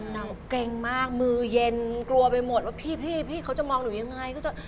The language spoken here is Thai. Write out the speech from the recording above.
น้องเกรงมากมือเย็นกลัวไปหมดว่าพี่เขาจะมองหนูอย่างไร